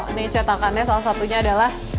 ini cetakannya salah satunya adalah